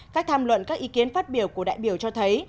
các tham luận các ý kiến phát biểu của đại biểu cho thấy